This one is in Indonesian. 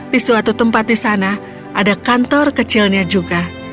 di suatu tempat di sana ada kantor kecilnya juga